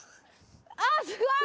あっすごい！